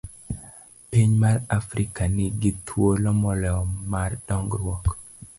A. Piny mar Afrika ni gi thuolo moloyo mar dongruok.